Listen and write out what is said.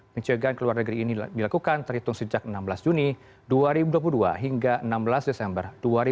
pencegahan ke luar negeri ini dilakukan terhitung sejak enam belas juni dua ribu dua puluh dua hingga enam belas desember dua ribu dua puluh